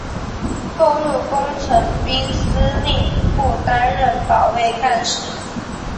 后入工程兵司令部任保卫干事。